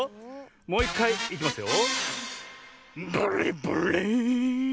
もういっかいいきますよ。